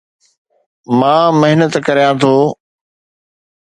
مان محنت ڪريان ٿو